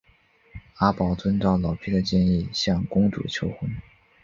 阿宝遵照老皮的建议向公主求婚。